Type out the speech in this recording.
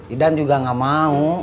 idan juga gak mau